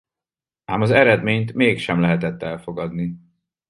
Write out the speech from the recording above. Ám az eredményt mégsem lehetett elfogadni.